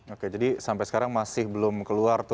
oke jadi sampai sekarang masih belum keluar